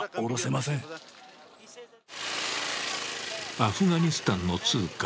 アフガニスタンの通過